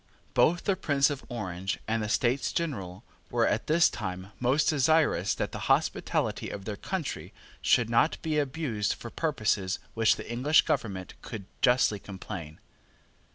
Both the Prince of Orange and the States General, were, at this time, most desirous that the hospitality of their country should not be abused for purposes of which the English government could justly complain.